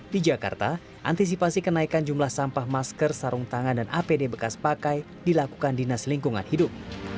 di jakarta antisipasi kenaikan jumlah sampah masker sarung tangan dan apd bekas pakai dilakukan dinas lingkungan hidup